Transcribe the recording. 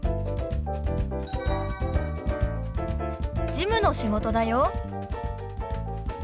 事務の仕事だよ。